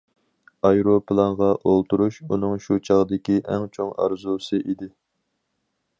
ئايروپىلانغا ئولتۇرۇش ئۇنىڭ شۇ چاغدىكى ئەڭ چوڭ ئارزۇسى ئىدى.